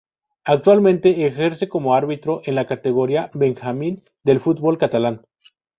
Actualmente, ejerce como árbitro en la categoría Benjamín del fútbol catalán.